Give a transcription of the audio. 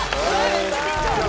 めっちゃ緊張する。